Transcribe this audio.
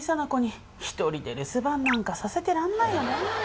・一人で留守番なんかさせてらんないよね